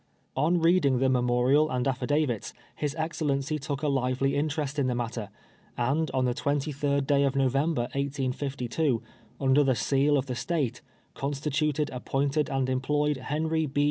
On reading the memorial and affidavits, his excel lency took a lively interest in the matter, and on the 23d day of ISTovember, 1852, under the seal of the State, " constituted, appointed and employed Henry P.